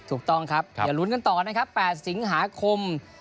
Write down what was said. ถูกต้องครับอย่าลุ้นกันต่อนะครับ๘สิงหาคม